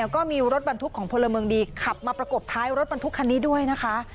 ก็มีรถบรรทุกของพลเมืองดีขับมาประกบท้ายรถบรรทุกคันนี้ด้วยนะคะ